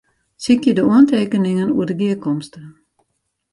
Sykje de oantekeningen oer de gearkomste.